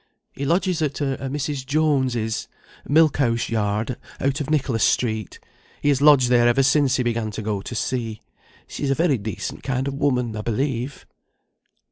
"He lodges at a Mrs. Jones's, Milk House Yard, out of Nicholas Street. He has lodged there ever since he began to go to sea; she is a very decent kind of woman, I believe."